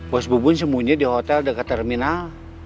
was bubun sembunyi di hotel dekat terminal